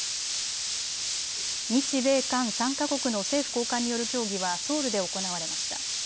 日米韓３か国の政府高官による協議はソウルで行われました。